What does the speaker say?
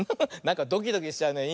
なんかドキドキしちゃうね。